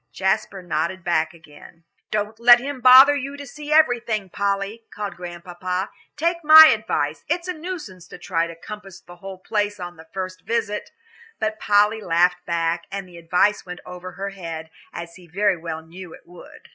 Jasper nodded back again. "Don't let him bother you to see everything, Polly," called Grandpapa. "Take my advice it's a nuisance to try to compass the whole place on the first visit." But Polly laughed back, and the advice went over her head, as he very well knew it would.